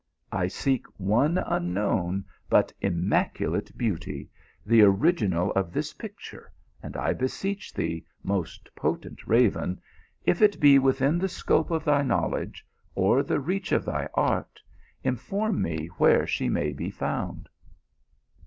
I seek one unknown but immaculate beauty, the original of this picture, THE PIL GRIM OF LOVE. 205 and I beseech thee, most potent "raven, if it be within the scope of thy knowledge, or the reach of thy art, inform me where she may be found."